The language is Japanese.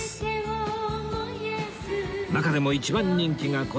中でも一番人気がこちら